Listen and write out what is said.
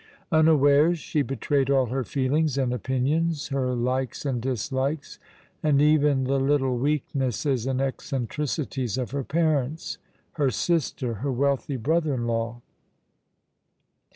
Unawares she betrayed all her feelings and opinions, her likes and dislikes, and even the little weak nesses and eccentricities of her parents — her sister — her wealthy brother in law.